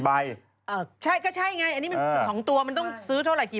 ๕๐ใบเธอเองจิ๊ะ๓๕เหรอ๕๐ใบ